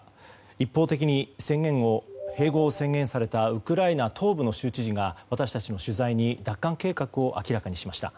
一方的に併合を宣言されたウクライナ東部の州知事が私たちの取材に奪還計画を明らかにしました。